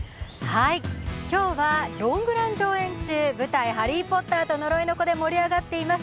今日はロングラン上演中、舞台「ハリー・ポッターと呪いの子」で盛り上がっています